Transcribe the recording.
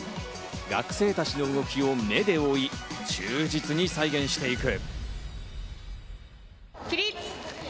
学生たちの動きを目で追い、忠実に再現していく。